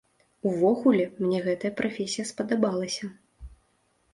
Увогуле, мне гэтая прафесія спадабалася.